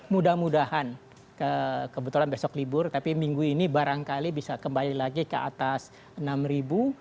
mudah mudahan kebetulan besok libur tapi minggu ini barangkali bisa kembali lagi ke atas enam ribu